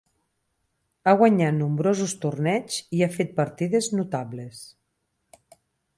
Ha guanyat nombrosos torneigs i ha fet partides notables.